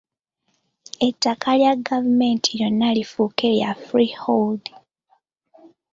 Ettaka lya gavumenti lyonna lifuuke lya freehold.